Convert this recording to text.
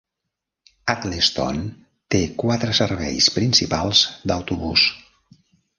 Addlestone té quatre serveis principals d'autobús.